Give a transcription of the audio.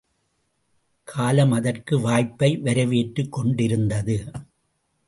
காலம் அதற்கு வாய்ப்பை வரவேற்றுக் கொண்டிருந்தது.